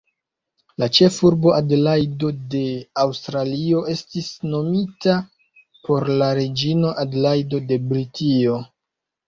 La ĉefurbo Adelajdo de Aŭstralio estis nomita por la reĝino Adelajdo de Britio.